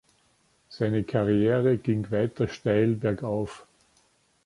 Seine Karriere ging weiter steil bergauf.